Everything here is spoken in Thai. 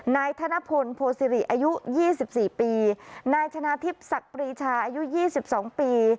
นายธนพลโพศิริอายุยี่สิบสี่ปีนายชนาธิบศักดิ์ปรีชาอายุยี่สิบสองปี